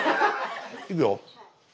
いくよ。